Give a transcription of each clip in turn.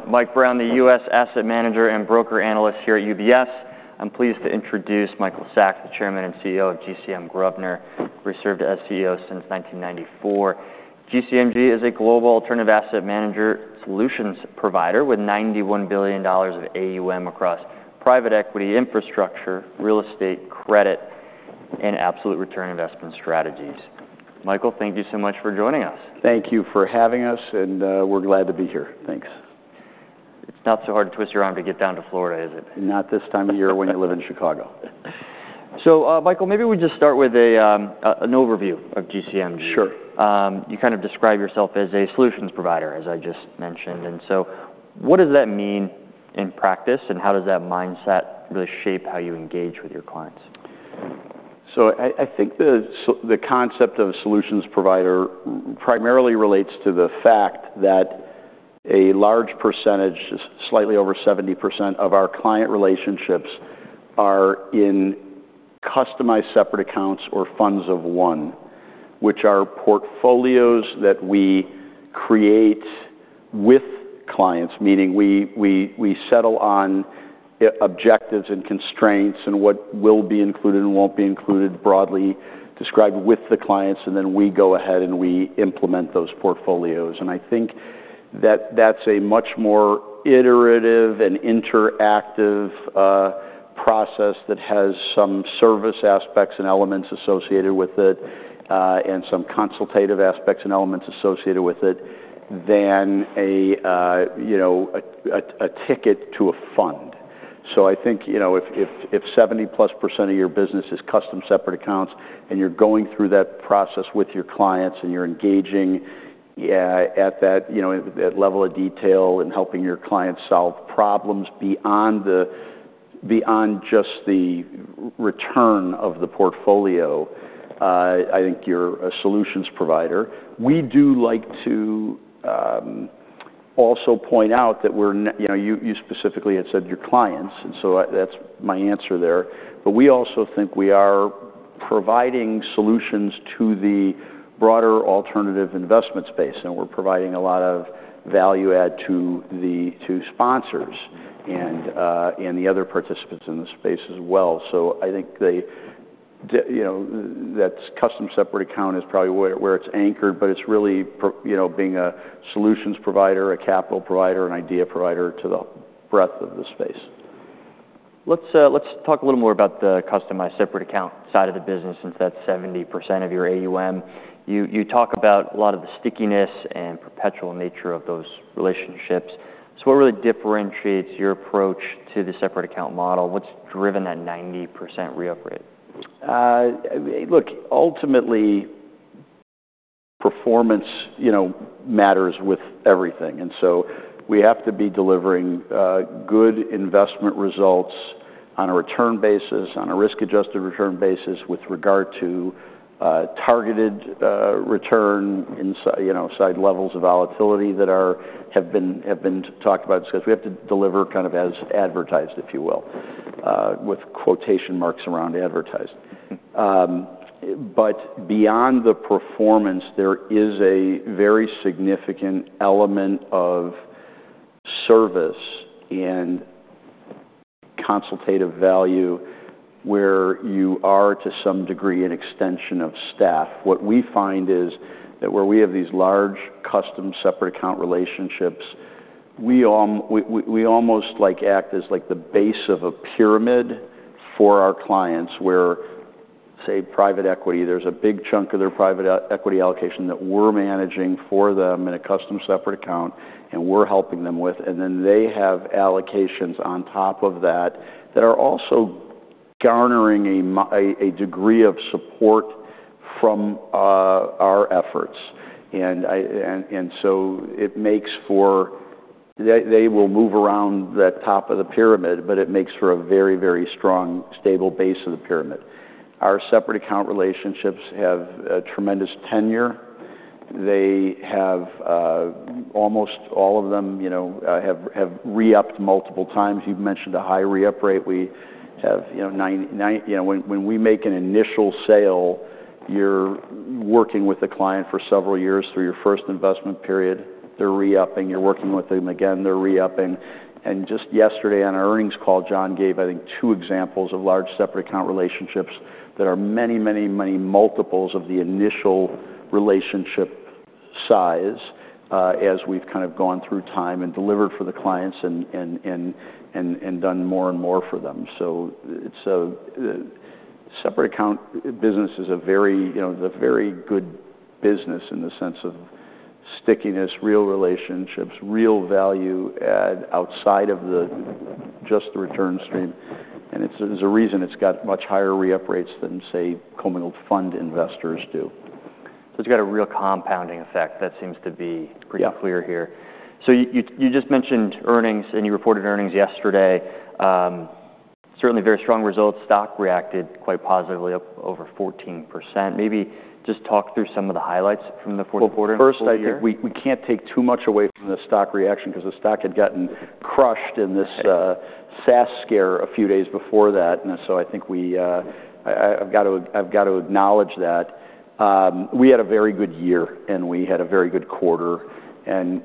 All right. Hello. I'm Mike Brown, the U.S. Asset Management and Broker Analyst here at UBS. I'm pleased to introduce Michael Sacks, the Chairman and CEO of GCM Grosvenor. Served as CEO since 1994. GCMG is a global alternative asset management solutions provider with $91 billion of AUM across private equity, infrastructure, real estate, credit, and absolute return investment strategies. Michael, thank you so much for joining us. Thank you for having us. We're glad to be here. Thanks. It's not so hard to twist your arm to get down to Florida, is it? Not this time of year when you live in Chicago. So, Michael, maybe we just start with an overview of GCMG. Sure. You kind of describe yourself as a solutions provider, as I just mentioned. And so what does that mean in practice and how does that mindset really shape how you engage with your clients? So I think the concept of a solutions provider primarily relates to the fact that a large percentage, slightly over 70%, of our client relationships are in customized separate accounts or funds of one, which are portfolios that we create with clients. Meaning we settle on objectives and constraints and what will be included and won't be included broadly described with the clients. And then we go ahead and we implement those portfolios. And I think that that's a much more iterative and interactive process that has some service aspects and elements associated with it, and some consultative aspects and elements associated with it than a, you know, ticket to a fund. So I think, you know, if 70+% of your business is custom separate accounts and you're going through that process with your clients and you're engaging, yeah, at that, you know, at level of detail and helping your clients solve problems beyond the beyond just the return of the portfolio, I think you're a solutions provider. We do like to also point out that we're, you know, you specifically had said your clients. And so that's my answer there. But we also think we are providing solutions to the broader alternative investment space. And we're providing a lot of value add to the sponsors and the other participants in the space as well. So I think that's, you know, custom separate account is probably where it's anchored. It's really true, you know, being a solutions provider, a capital provider, an idea provider to the breadth of the space. Let's talk a little more about the customized separate account side of the business since that's 70% of your AUM. You talk about a lot of the stickiness and perpetual nature of those relationships. So what really differentiates your approach to the separate account model? What's driven that 90% re-up rate? Look, ultimately, performance, you know, matters with everything. And so we have to be delivering good investment results on a return basis, on a risk-adjusted return basis with regard to targeted return in size, you know, side levels of volatility that have been talked about and discussed. We have to deliver kind of as advertised, if you will, with quotation marks around advertised. But beyond the performance, there is a very significant element of service and consultative value where you are to some degree an extension of staff. What we find is that where we have these large custom separate account relationships, we almost, like, act as, like, the base of a pyramid for our clients where, say, private equity, there's a big chunk of their private equity allocation that we're managing for them in a custom separate account and we're helping them with. And then they have allocations on top of that that are also garnering a degree of support from our efforts. And so it makes for they will move around that top of the pyramid. But it makes for a very, very strong, stable base of the pyramid. Our separate account relationships have a tremendous tenure. They have almost all of them, you know, have re-upped multiple times. You've mentioned a high re-up rate. We have, you know, when we make an initial sale, you're working with a client for several years through your first investment period. They're re-upping. You're working with them again. They're re-upping. And just yesterday on our earnings call, Jon gave, I think, 2 examples of large separate account relationships that are many, many, many multiples of the initial relationship size, as we've kind of gone through time and delivered for the clients and done more and more for them. So it's the separate account business is a very you know, it's a very good business in the sense of stickiness, real relationships, real value add outside of just the return stream. And there's a reason it's got much higher re-up rates than, say, commingled fund investors do. So it's got a real compounding effect. That seems to be pretty clear here. Yeah. So you just mentioned earnings. You reported earnings yesterday. Certainly very strong results. Stock reacted quite positively up over 14%. Maybe just talk through some of the highlights from the fourth quarter for us here. Well, first, I think we can't take too much away from the stock reaction 'cause the stock had gotten crushed in this SaaS scare a few days before that. And so I think I’ve gotta acknowledge that. We had a very good year. And we had a very good quarter. And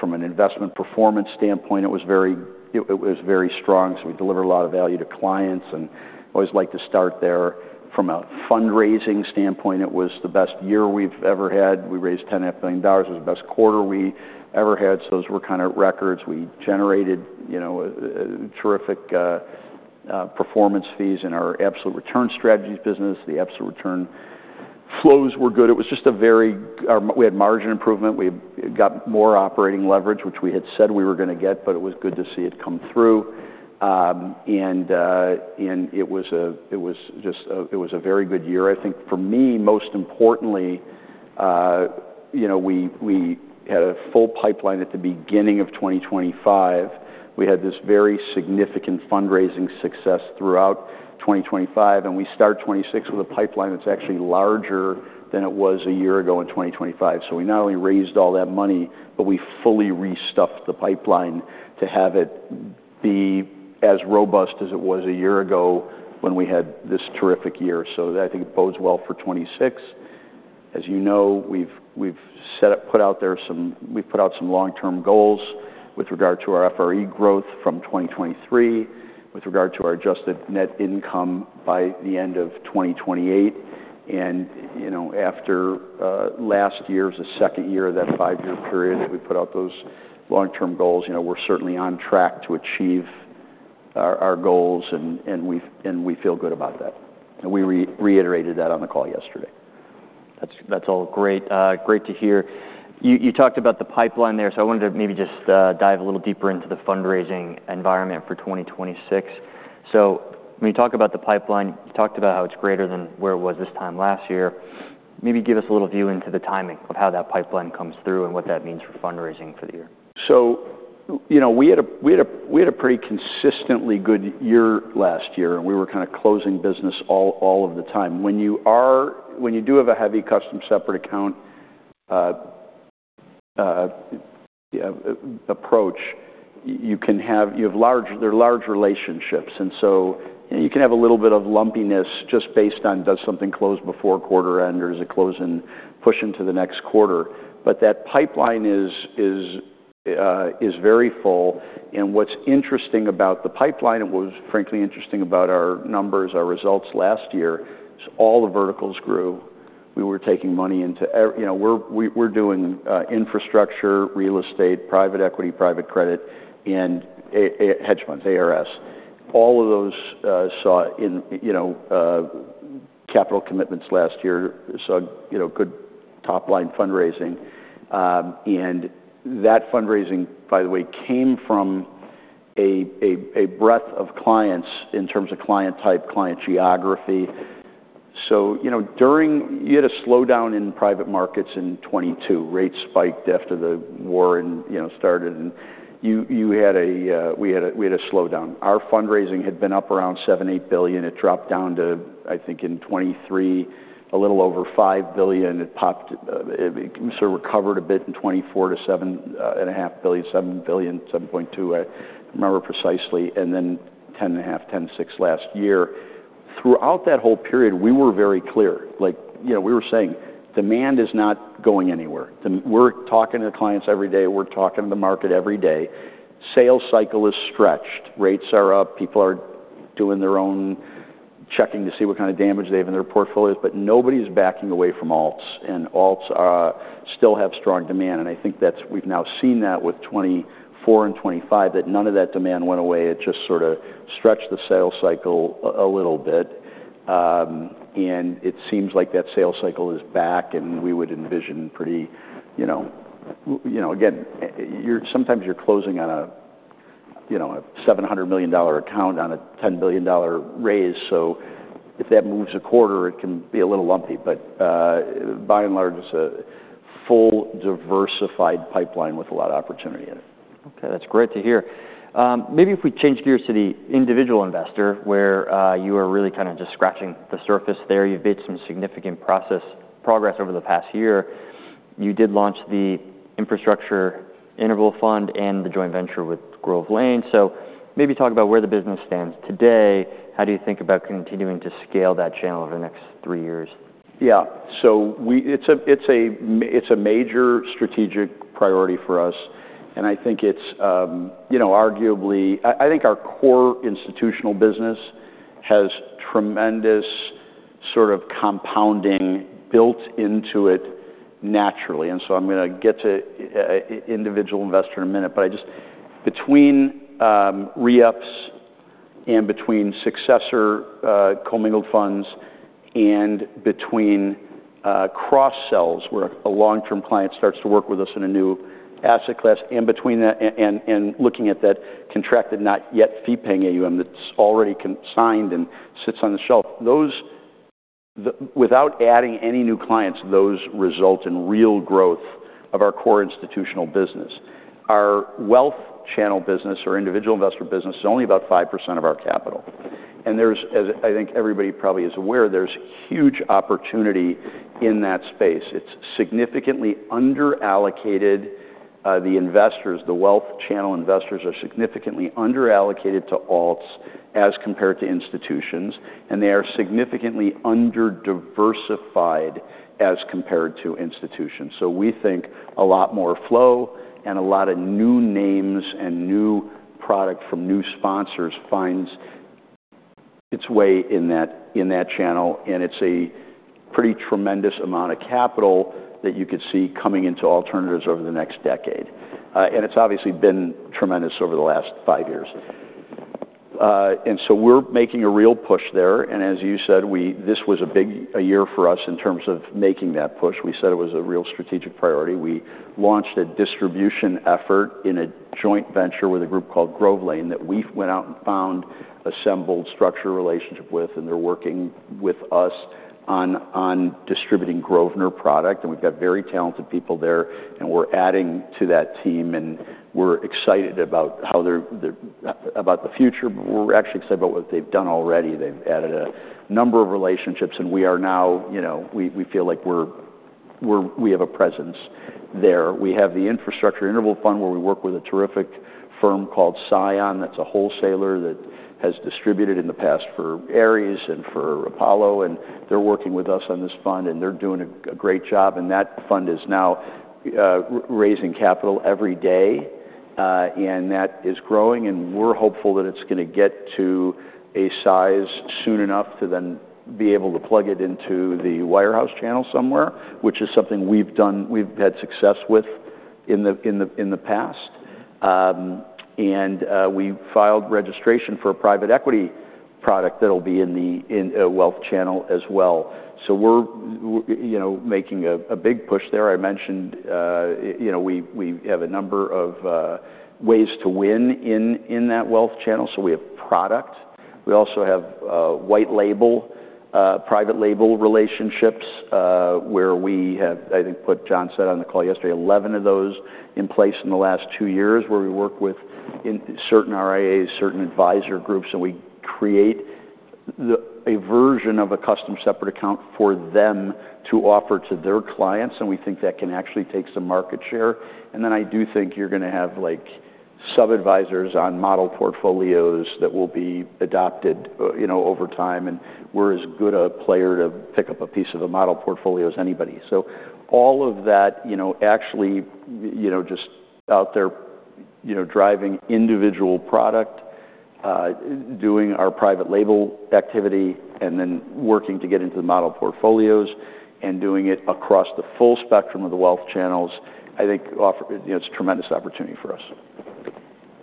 from an investment performance standpoint, it was very strong. So we delivered a lot of value to clients. And I always like to start there. From a fundraising standpoint, it was the best year we've ever had. We raised $10.5 billion. It was the best quarter we ever had. So those were kind of records. We generated, you know, a terrific performance fees in our absolute return strategies business. The absolute return flows were good. It was just a very good. Our margins, we had margin improvement. We got more operating leverage, which we had said we were gonna get. But it was good to see it come through. And it was a very good year. I think for me, most importantly, you know, we had a full pipeline at the beginning of 2025. We had this very significant fundraising success throughout 2025. And we start 2026 with a pipeline that's actually larger than it was a year ago in 2025. So we not only raised all that money, but we fully restuffed the pipeline to have it be as robust as it was a year ago when we had this terrific year. So that I think it bodes well for 2026. As you know, we've put out some long-term goals with regard to our FRE growth from 2023 with regard to our adjusted net income by the end of 2028. And, you know, after last year, the second year of that five-year period that we put out those long-term goals, you know, we're certainly on track to achieve our goals. And we feel good about that. And we reiterated that on the call yesterday. That's all great. Great to hear. You talked about the pipeline there. So I wanted to maybe just dive a little deeper into the fundraising environment for 2026. So when you talk about the pipeline, you talked about how it's greater than where it was this time last year. Maybe give us a little view into the timing of how that pipeline comes through and what that means for fundraising for the year. So, you know, we had a pretty consistently good year last year. And we were kind of closing business all of the time. When you do have a heavy custom separate account approach, you can have large relationships. And so, you know, you can have a little bit of lumpiness just based on does something close before quarter end, or is it closing pushing to the next quarter? But that pipeline is very full. And what's interesting about the pipeline and what was frankly interesting about our numbers, our results last year is all the verticals grew. We were taking money into every, you know, we're doing infrastructure, real estate, private equity, private credit, and hedge funds, ARS. All of those saw, you know, capital commitments last year saw, you know, good top-line fundraising. And that fundraising, by the way, came from a breadth of clients in terms of client type, client geography. So, you know, during, you had a slowdown in private markets in 2022. Rates spiked after the war and, you know, started. And you had a, we had a slowdown. Our fundraising had been up around $7-$8 billion. It dropped down to, I think, in 2023, a little over $5 billion. It popped, it sort of recovered a bit in 2024 to $7.5 billion, $7 billion, $7.2 billion, I remember precisely. And then $10.5 billion, $10.6 billion last year. Throughout that whole period, we were very clear. Like, you know, we were saying, "Demand is not going anywhere." Then we're talking to the clients every day. We're talking to the market every day. Sales cycle is stretched. Rates are up. People are doing their own checking to see what kind of damage they have in their portfolios. But nobody's backing away from alts. And alts still have strong demand. And I think that's what we've now seen that with 2024 and 2025 that none of that demand went away. It just sort of stretched the sales cycle a little bit. And it seems like that sales cycle is back. And we would envision pretty, you know, you know, again, you're sometimes you're closing on a, you know, a $700 million account on a $10 billion raise. So if that moves a quarter, it can be a little lumpy. But, by and large, it's a full, diversified pipeline with a lot of opportunity in it. Okay. That's great to hear. Maybe if we change gears to the individual investor where you are really kind of just scratching the surface there. You've made some significant progress over the past year. You did launch the infrastructure interval fund and the joint venture with Grove Lane. So maybe talk about where the business stands today. How do you think about continuing to scale that channel over the next three years? Yeah. So it's a major strategic priority for us. And I think it's, you know, arguably, I think our core institutional business has tremendous sort of compounding built into it naturally. And so I'm gonna get to an individual investor in a minute. But just between re-ups and between successor commingled funds and between cross-sells where a long-term client starts to work with us in a new asset class and between that and looking at that contracted, not yet fee-paying AUM that's already consigned and sits on the shelf, those, without adding any new clients, those result in real growth of our core institutional business. Our wealth channel business, our individual investor business, is only about 5% of our capital. And there's, as I think everybody probably is aware, there's huge opportunity in that space. It's significantly underallocated, the investors, the wealth channel investors are significantly underallocated to alts as compared to institutions. They are significantly under-diversified as compared to institutions. So we think a lot more flow and a lot of new names and new product from new sponsors finds its way in that in that channel. It's a pretty tremendous amount of capital that you could see coming into alternatives over the next decade. It's obviously been tremendous over the last five years. So we're making a real push there. And as you said, we this was a big a year for us in terms of making that push. We said it was a real strategic priority. We launched a distribution effort in a joint venture with a group called Grove Lane that we went out and found, assembled, structured a relationship with. And they're working with us on distributing Grove Lane product. And we've got very talented people there. And we're adding to that team. And we're excited about how they're about the future. But we're actually excited about what they've done already. They've added a number of relationships. And we are now, you know, we feel like we have a presence there. We have the infrastructure interval fund where we work with a terrific firm called CION. That's a wholesaler that has distributed in the past for Ares and for Apollo. And they're working with us on this fund. And they're doing a great job. And that fund is now raising capital every day, and that is growing. We're hopeful that it's gonna get to a size soon enough to then be able to plug it into the wirehouse channel somewhere, which is something we've done. We've had success with in the past. We filed registration for a private equity product that'll be in the wealth channel as well. So we're, you know, making a big push there. I mentioned, you know, we have a number of ways to win in that wealth channel. So we have product. We also have white label, private label relationships, where we have, I think, Jon said on the call yesterday, 11 of those in place in the last 2 years where we work with certain RIAs, certain advisor groups. And we create a version of a custom separate account for them to offer to their clients. And we think that can actually take some market share. And then I do think you're gonna have, like, sub-advisors on model portfolios that will be adopted, you know, over time. And we're as good a player to pick up a piece of a model portfolio as anybody. So all of that, you know, actually, you know, just out there, you know, driving individual product, doing our private label activity, and then working to get into the model portfolios and doing it across the full spectrum of the wealth channels, I think offer you know, it's a tremendous opportunity for us.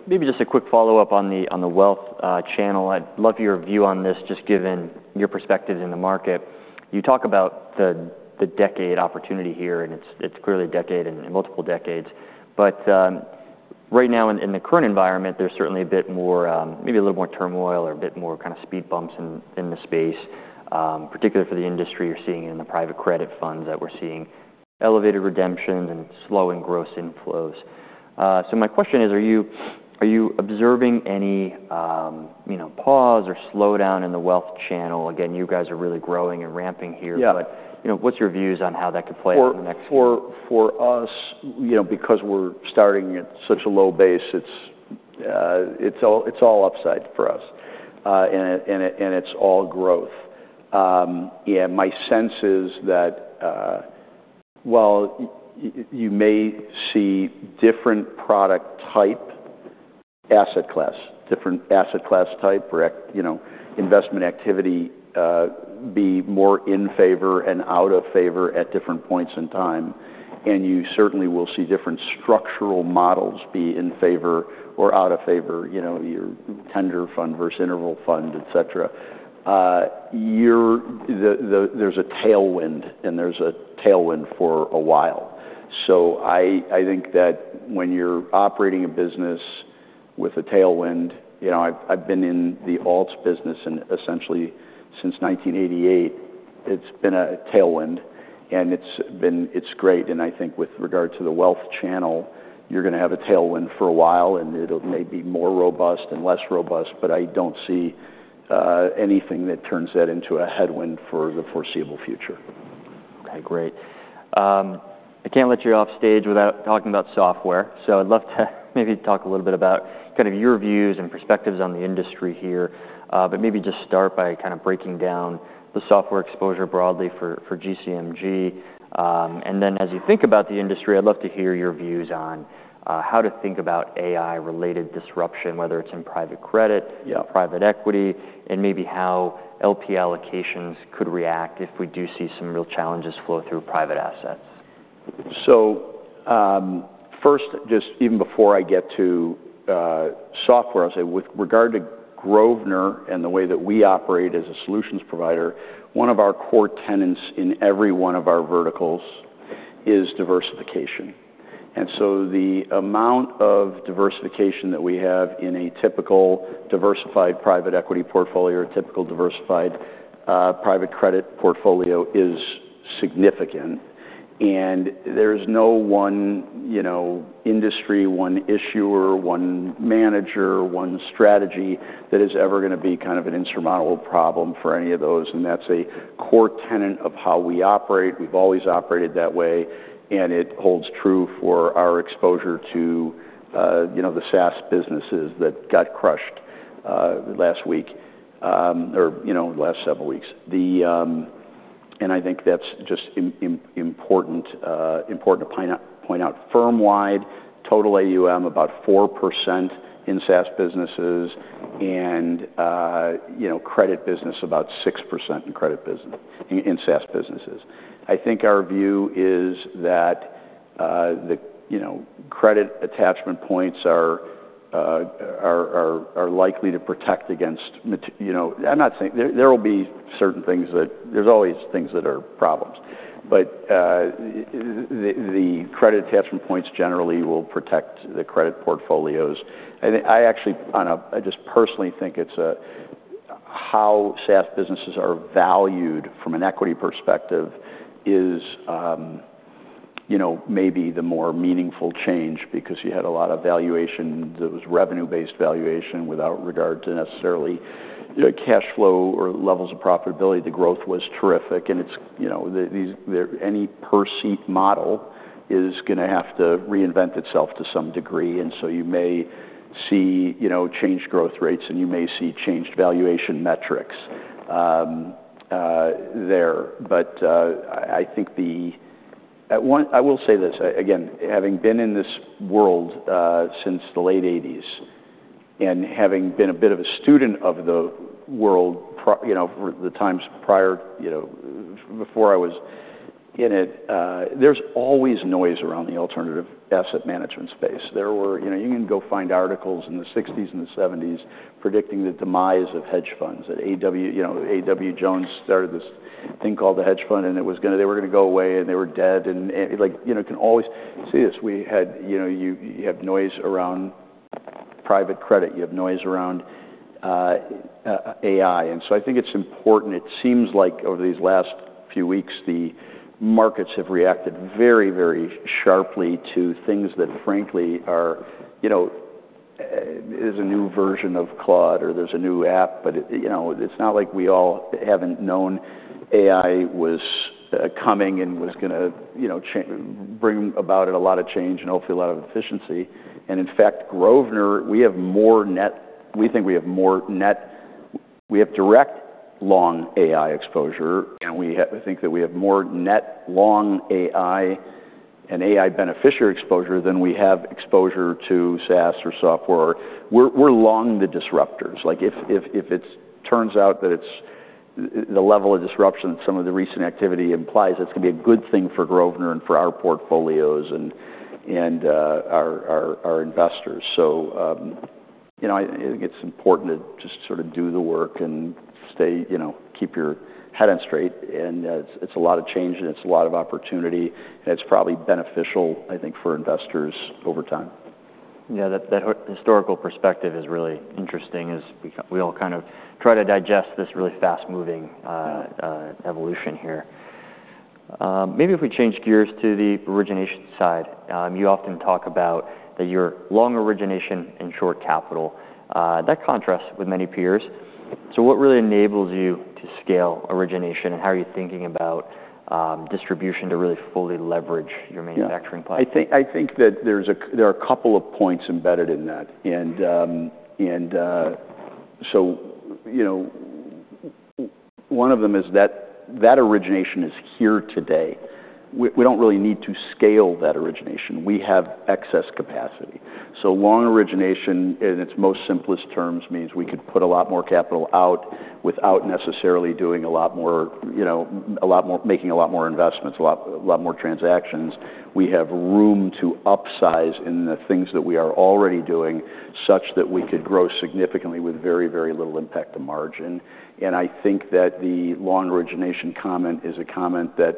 Maybe just a quick follow-up on the wealth channel. I'd love your view on this just given your perspective in the market. You talk about the decade opportunity here. And it's clearly a decade and multiple decades. But right now in the current environment, there's certainly a bit more, maybe a little more turmoil or a bit more kind of speed bumps in the space, particularly for the industry. You're seeing it in the private credit funds that we're seeing elevated redemptions and slowing gross inflows. So my question is, are you observing any, you know, pause or slowdown in the wealth channel? Again, you guys are really growing and ramping here. Yeah. You know, what's your views on how that could play out in the next few? For us, you know, because we're starting at such a low base, it's all upside for us. And it's all growth. Yeah. My sense is that, well, you may see different product type asset class, different asset class type or ac, you know, investment activity be more in favor and out of favor at different points in time. And you certainly will see different structural models be in favor or out of favor, you know, your tender fund versus interval fund, etc. There's a tailwind. And there's a tailwind for a while. So I think that when you're operating a business with a tailwind, you know, I've been in the alts business and essentially since 1988, it's been a tailwind. And it's been great. I think with regard to the wealth channel, you're gonna have a tailwind for a while. And it may be more robust and less robust. But I don't see anything that turns that into a headwind for the foreseeable future. Okay. Great. I can't let you off stage without talking about software. So I'd love to maybe talk a little bit about kind of your views and perspectives on the industry here. But maybe just start by kind of breaking down the software exposure broadly for, for GCMG. And then as you think about the industry, I'd love to hear your views on, how to think about AI-related disruption, whether it's in private credit. Yeah. Private equity, and maybe how LP allocations could react if we do see some real challenges flow through private assets. So, first, just even before I get to software, I'll say with regard to GCM Grosvenor and the way that we operate as a solutions provider, one of our core tenets in every one of our verticals is diversification. And so the amount of diversification that we have in a typical diversified private equity portfolio, a typical diversified private credit portfolio is significant. And there is no one, you know, industry, one issuer, one manager, one strategy that is ever gonna be kind of an insurmountable problem for any of those. And that's a core tenet of how we operate. We've always operated that way. And it holds true for our exposure to, you know, the SaaS businesses that got crushed last week or, you know, last several weeks. And I think that's just important to point out firm-wide, total AUM about 4% in SaaS businesses. You know, credit business about 6% in credit business in SaaS businesses. I think our view is that, you know, credit attachment points are likely to protect against maturity, you know. I'm not saying there'll be certain things that there are always things that are problems. But, the credit attachment points generally will protect the credit portfolios. I think actually I just personally think it's how SaaS businesses are valued from an equity perspective, you know, maybe the more meaningful change because you had a lot of valuation that was revenue-based valuation without regard to necessarily, you know, cash flow or levels of profitability. The growth was terrific. And it's, you know, the these there any perceived model is gonna have to reinvent itself to some degree. And so you may see, you know, changed growth rates. You may see changed valuation metrics, there. But I think that one I will say this. Again, having been in this world since the late 1980s and having been a bit of a student of the world prior, you know, for the times prior, you know, before I was in it, there's always noise around the alternative asset management space. There were, you know, you can go find articles in the 1960s and the 1970s predicting the demise of hedge funds that A.W., you know, A.W. Jones started this thing called the hedge fund. And it was gonna they were gonna go away. And they were dead. And it like, you know, you can always see this. We had, you know, you have noise around private credit. You have noise around AI. I think it's important. It seems like over these last few weeks, the markets have reacted very, very sharply to things that frankly are, you know, that there's a new version of Claude. Or there's a new app. But, you know, it's not like we all haven't known AI was coming and was gonna, you know, change, bring about a lot of change and hopefully a lot of efficiency. And in fact, Grosvenor, we think we have more net long AI exposure. And we have direct long AI exposure. And I think that we have more net long AI and AI beneficiary exposure than we have exposure to SaaS or software. We're long the disruptors. Like, if it turns out that it's the level of disruption that some of the recent activity implies, that's gonna be a good thing for Grosvenor and for our portfolios and our investors. So, you know, I think it's important to just sort of do the work and stay, you know, keep your head on straight. And, it's a lot of change. And it's a lot of opportunity. And it's probably beneficial, I think, for investors over time. Yeah. That historical perspective is really interesting as we know we all kind of try to digest this really fast-moving evolution here. Maybe if we change gears to the origination side. You often talk about that you're long origination and short capital. That contrasts with many peers. So what really enables you to scale origination? And how are you thinking about distribution to really fully leverage your manufacturing platform? Yeah. I think that there are a couple of points embedded in that. And, so, you know, one of them is that origination is here today. We don't really need to scale that origination. We have excess capacity. So long origination in its most simplest terms means we could put a lot more capital out without necessarily doing a lot more, you know, making a lot more investments, a lot more transactions. We have room to upsize in the things that we are already doing such that we could grow significantly with very, very little impact to margin. And I think that the long origination comment is a comment that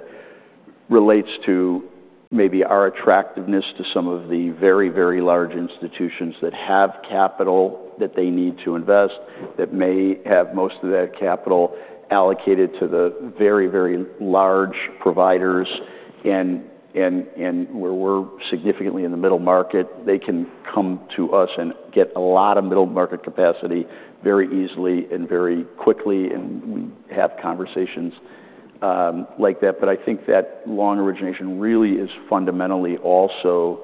relates to maybe our attractiveness to some of the very, very large institutions that have capital that they need to invest, that may have most of that capital allocated to the very, very large providers. And where we're significantly in the middle market, they can come to us and get a lot of middle market capacity very easily and very quickly. And we have conversations like that. But I think that long origination really is fundamentally also,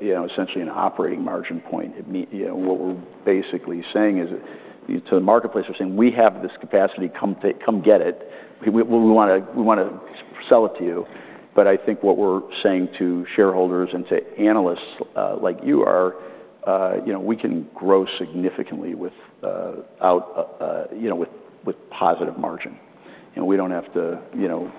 you know, essentially an operating margin point. It means, you know, what we're basically saying is that, to the marketplace, we're saying, "We have this capacity. Come and get it. We wanna sell it to you." But I think what we're saying to shareholders and to analysts, like you are, you know, we can grow significantly without, you know, with positive margin. And we don't have to, you know,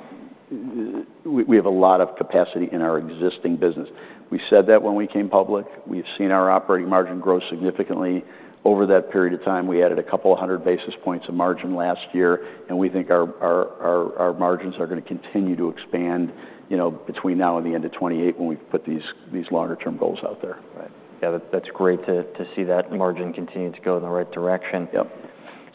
we have a lot of capacity in our existing business. We said that when we came public. We've seen our operating margin grow significantly over that period of time. We added a couple of hundred basis points of margin last year. And we think our margins are gonna continue to expand, you know, between now and the end of 2028 when we've put these longer-term goals out there. Right. Yeah. That's great to see that margin continue to go in the right direction. Yep.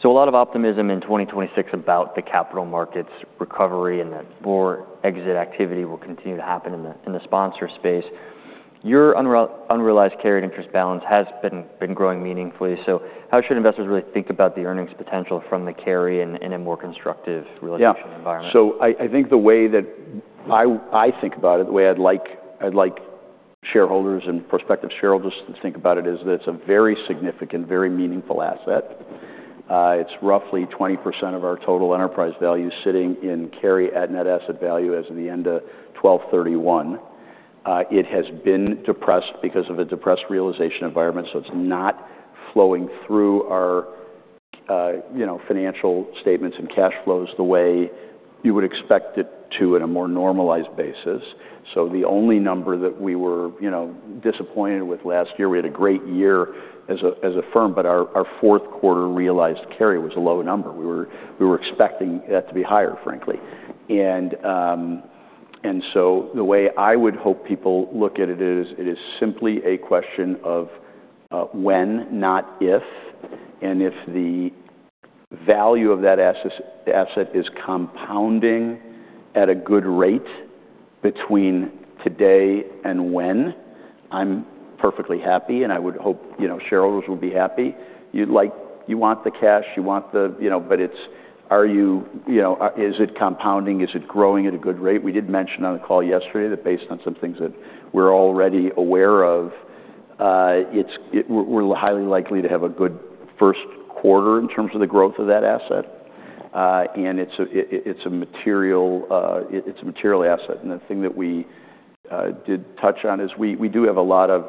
So a lot of optimism in 2026 about the capital markets recovery and that more exit activity will continue to happen in the sponsor space. Your unrealized carried interest balance has been growing meaningfully. So how should investors really think about the earnings potential from the carry in a more constructive realization environment? Yeah. So I think the way that I think about it, the way I'd like shareholders and prospective shareholders to think about it is that it's a very significant, very meaningful asset. It's roughly 20% of our total enterprise value sitting in carry at net asset value as of the end of 12/31. It has been depressed because of a depressed realization environment. So it's not flowing through our, you know, financial statements and cash flows the way you would expect it to on a more normalized basis. So the only number that we were, you know, disappointed with last year we had a great year as a firm. But our fourth quarter realized carry was a low number. We were expecting that to be higher, frankly. And so the way I would hope people look at it is it is simply a question of when, not if. And if the value of that asset is compounding at a good rate between today and when, I'm perfectly happy. And I would hope, you know, shareholders would be happy. You'd like, you want the cash. You want the, you know, but is it, are you, you know, is it compounding? Is it growing at a good rate? We did mention on the call yesterday that based on some things that we're already aware of, we're highly likely to have a good first quarter in terms of the growth of that asset. And it's a, it's a material asset. And the thing that we did touch on is we do have a lot of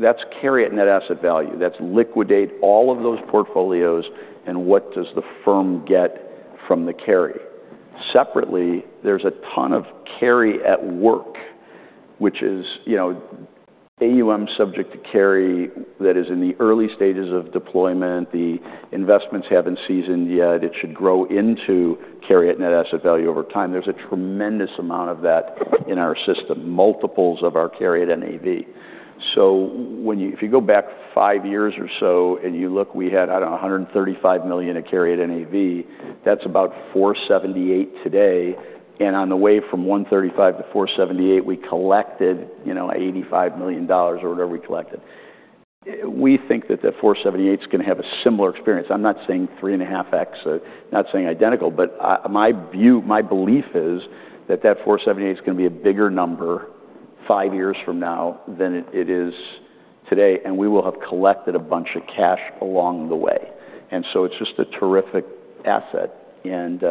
that carry at net asset value. That's liquidate all of those portfolios. And what does the firm get from the carry? Separately, there's a ton of carry at work, which is, you know, AUM subject to carry that is in the early stages of deployment. The investments haven't seasoned yet. It should grow into carry at NAV over time. There's a tremendous amount of that in our system, multiples of our carry at NAV. So if you go back five years or so and you look, we had, I don't know, $135 million of carry at NAV. That's about $478 million today. And on the way from $135 million to $478 million, we collected, you know, $85 million or whatever we collected. We think that that $478 million's gonna have a similar experience. I'm not saying 3.5x, not saying identical. But my view, my belief is that 478's gonna be a bigger number five years from now than it is today. And we will have collected a bunch of cash along the way. And so it's just a terrific asset. And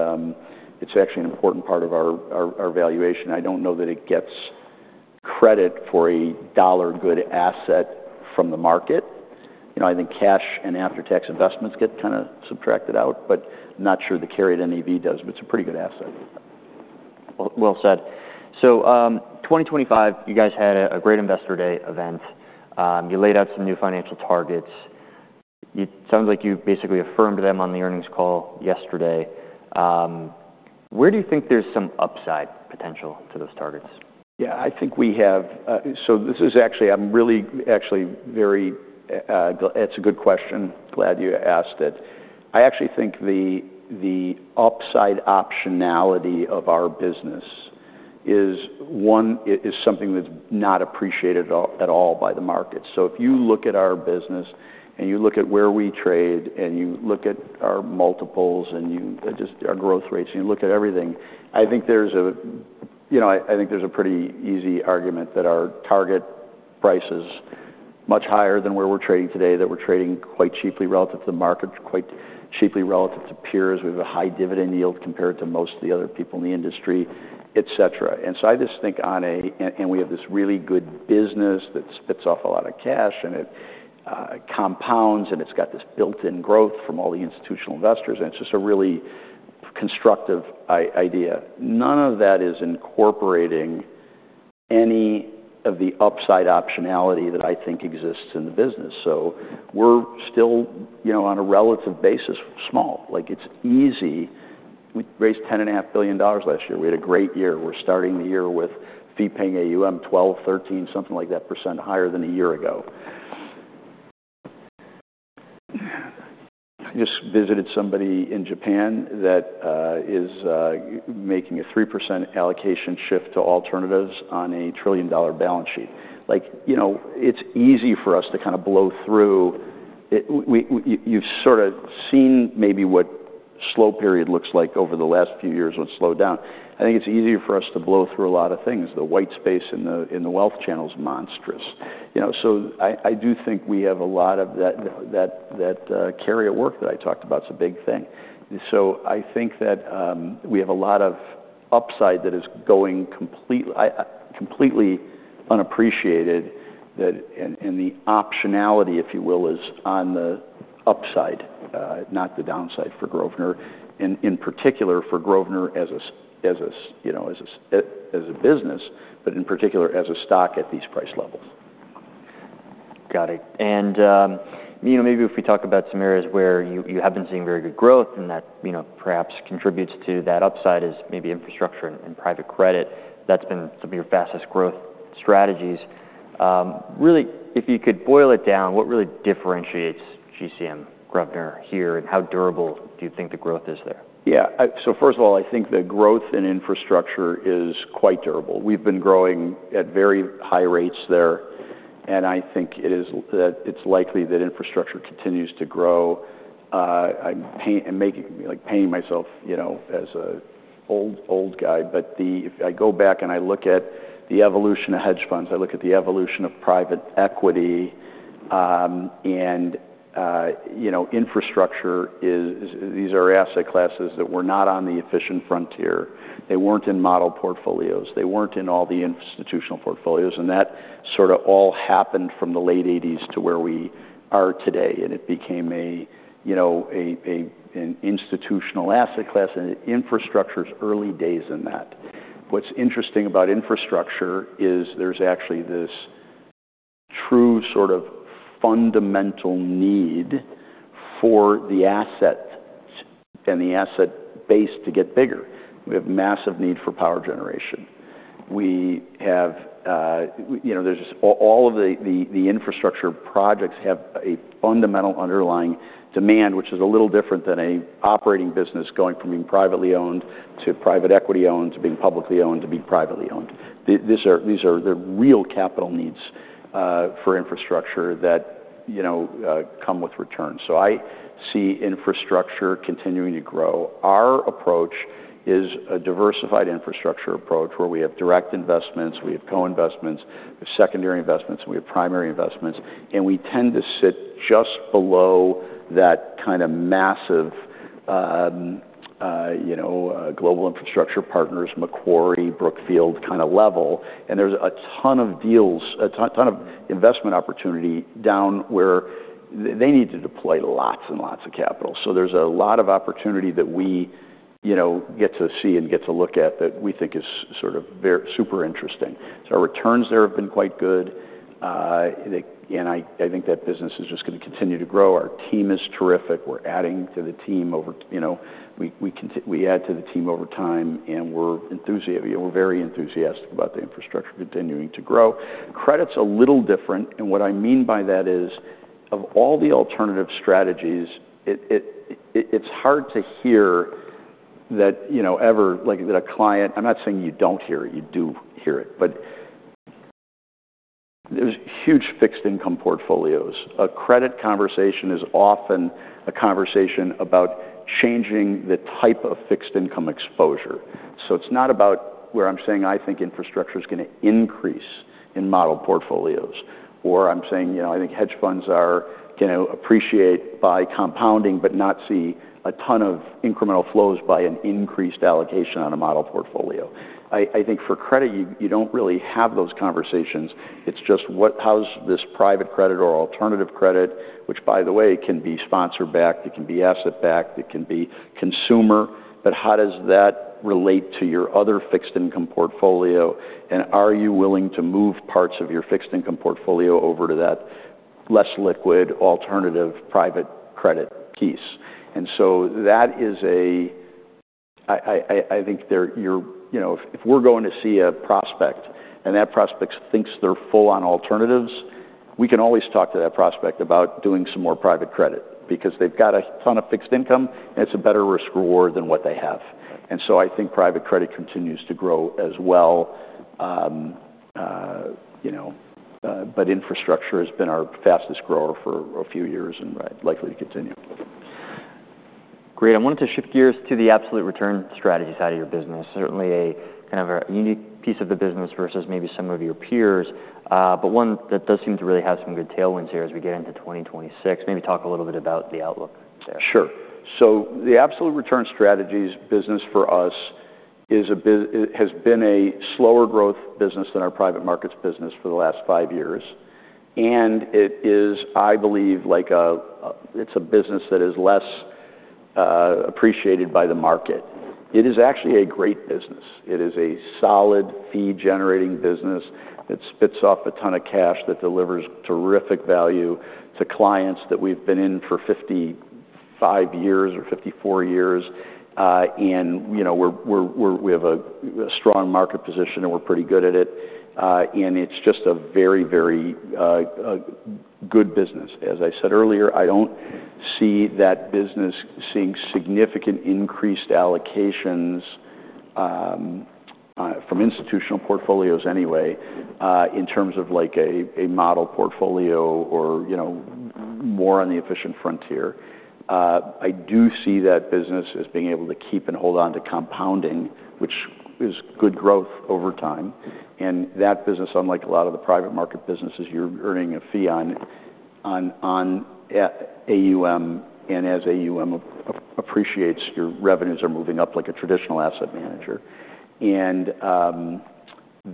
it's actually an important part of our valuation. I don't know that it gets credit for a dollar-good asset from the market. You know, I think cash and after-tax investments get kinda subtracted out. But I'm not sure the carry at NAV does. But it's a pretty good asset. Well, well said. So, 2025, you guys had a great investor day event. You laid out some new financial targets. You, it sounds like you basically affirmed them on the earnings call yesterday. Where do you think there's some upside potential to those targets? Yeah. I think we have. So this is actually. I'm really actually very glad it's a good question. Glad you asked it. I actually think the upside optionality of our business is one is something that's not appreciated at all by the markets. So if you look at our business and you look at where we trade and you look at our multiples and you just our growth rates. And you look at everything, I think there's a, you know, I think there's a pretty easy argument that our target price is much higher than where we're trading today, that we're trading quite cheaply relative to the market, quite cheaply relative to peers. We have a high dividend yield compared to most of the other people in the industry, etc. And so I just think, and we have this really good business that spits off a lot of cash. And it compounds. And it's got this built-in growth from all the institutional investors. And it's just a really constructive idea. None of that is incorporating any of the upside optionality that I think exists in the business. So we're still, you know, on a relative basis, small. Like, it's easy. We raised $10.5 billion last year. We had a great year. We're starting the year with fee-paying AUM 12%-13%, something like that, higher than a year ago. I just visited somebody in Japan that is making a 3% allocation shift to alternatives on a trillion-dollar balance sheet. Like, you know, it's easy for us to kinda blow through it. We, you've sort of seen maybe what slow period looks like over the last few years when it slowed down. I think it's easier for us to blow through a lot of things. The white space in the wealth channel's monstrous. You know, so I do think we have a lot of that carry at work that I talked about's a big thing. So I think that we have a lot of upside that is going completely unappreciated, and the optionality, if you will, is on the upside, not the downside for Grosvenor and in particular for Grosvenor as, you know, as a business, but in particular as a stock at these price levels. Got it. And, you know, maybe if we talk about some areas where you have been seeing very good growth and that, you know, perhaps contributes to that upside is maybe infrastructure and private credit. That's been some of your fastest growth strategies. Really, if you could boil it down, what really differentiates GCM Grosvenor here? And how durable do you think the growth is there? Yeah. So first of all, I think the growth in infrastructure is quite durable. We've been growing at very high rates there. And I think it is likely that infrastructure continues to grow. I'm painting myself, you know, as an old, old guy. But if I go back and I look at the evolution of hedge funds, I look at the evolution of private equity, and, you know, infrastructure is. These are asset classes that were not on the efficient frontier. They weren't in model portfolios. They weren't in all the institutional portfolios. And that sort of all happened from the late 1980s to where we are today. And it became a, you know, an institutional asset class. And infrastructure's early days in that. What's interesting about infrastructure is there's actually this true sort of fundamental need for the asset and the asset base to get bigger. We have massive need for power generation. We have, you know, there's just all of the infrastructure projects have a fundamental underlying demand, which is a little different than a operating business going from being privately owned to private equity owned to being publicly owned to being privately owned. These are these are the real capital needs, for infrastructure that, you know, come with returns. So I see infrastructure continuing to grow. Our approach is a diversified infrastructure approach where we have direct investments. We have co-investments. We have secondary investments. And we have primary investments. And we tend to sit just below that kinda massive, you know, Global Infrastructure Partners, Macquarie, Brookfield kinda level. And there's a ton of deals, a ton of investment opportunity down where they need to deploy lots and lots of capital. So there's a lot of opportunity that we, you know, get to see and get to look at that we think is sort of very super interesting. So our returns there have been quite good. And I think that business is just gonna continue to grow. Our team is terrific. We're adding to the team over time, you know. We add to the team over time. And we're enthusiastic, you know, we're very enthusiastic about the infrastructure continuing to grow. Credit's a little different. And what I mean by that is, of all the alternative strategies, it's hard to hear that, you know, ever like that a client. I'm not saying you don't hear it. You do hear it. But there's huge fixed-income portfolios. A credit conversation is often a conversation about changing the type of fixed-income exposure. So it's not about where I'm saying, "I think infrastructure's gonna increase in model portfolios." Or I'm saying, you know, "I think hedge funds are, you know, appreciate by compounding but not see a ton of incremental flows by an increased allocation on a model portfolio." I, I think for credit, you, you don't really have those conversations. It's just what how's this private credit or alternative credit, which, by the way, can be sponsor-backed. It can be asset-backed. It can be consumer. But how does that relate to your other fixed-income portfolio? And are you willing to move parts of your fixed-income portfolio over to that less liquid alternative private credit piece? So that is, I think they're, you know, if we're going to see a prospect and that prospect thinks they're full on alternatives, we can always talk to that prospect about doing some more private credit because they've got a ton of fixed income. It's a better risk-reward than what they have. So I think private credit continues to grow as well, you know, but infrastructure has been our fastest grower for a few years and is likely to continue. Great. I wanted to shift gears to the absolute return strategy side of your business, certainly a kind of a unique piece of the business versus maybe some of your peers. But one that does seem to really have some good tailwinds here as we get into 2026. Maybe talk a little bit about the outlook there. Sure. So the absolute return strategies business for us is a bit. It has been a slower-growth business than our private markets business for the last five years. And it is, I believe, like, it's a business that is less appreciated by the market. It is actually a great business. It is a solid fee-generating business that spits off a ton of cash that delivers terrific value to clients that we've been in for 55 years or 54 years. And, you know, we have a strong market position. And we're pretty good at it. And it's just a very good business. As I said earlier, I don't see that business seeing significant increased allocations from institutional portfolios anyway, in terms of like a model portfolio or, you know, more on the efficient frontier. I do see that business as being able to keep and hold on to compounding, which is good growth over time. That business, unlike a lot of the private market businesses you're earning a fee on AUM and as AUM appreciates, your revenues are moving up like a traditional asset manager.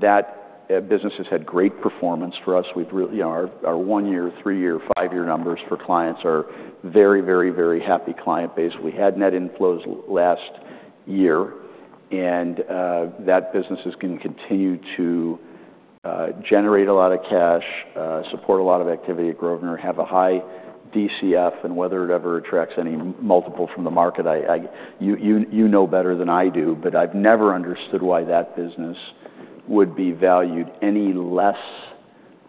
That business has had great performance for us. We've really, you know, our 1-year, 3-year, 5-year numbers for clients are very, very, very happy client base. We had net inflows last year. That business can continue to generate a lot of cash, support a lot of activity at Grosvenor, have a high DCF. Whether it ever attracts any multiple from the market, you know better than I do. But I've never understood why that business would be valued any less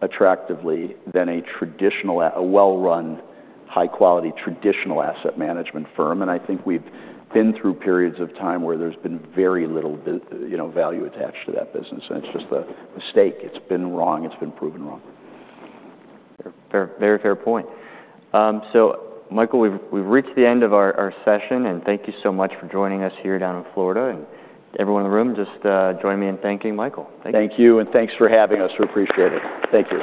attractively than a traditional well-run, high-quality traditional asset management firm. And I think we've been through periods of time where there's been very little, you know, value attached to that business. And it's just a mistake. It's been wrong. It's been proven wrong. Fair, fair, very fair point. So, Michael, we've, we've reached the end of our, our session. Thank you so much for joining us here down in Florida. Everyone in the room, just, join me in thanking Michael. Thank you. Thank you. Thanks for having us. We appreciate it. Thank you.